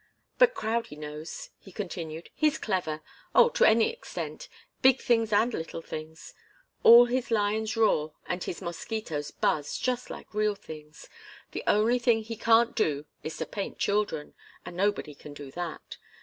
"But Crowdie knows," he continued. "He's clever oh, to any extent big things and little things. All his lions roar and all his mosquitoes buzz, just like real things. The only thing he can't do is to paint children, and nobody can do that.